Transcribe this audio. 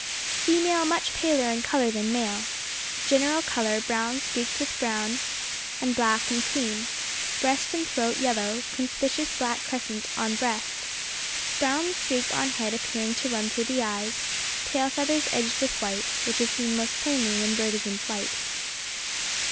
Female much paler in colour than male. General colour brown streaked with brown and black and cream breast and throat yellow conspicuous black crescent on breast brown streak on head appearing to run through the eyes tail feathers edged with white, which is seen most plainly when bird is in flight.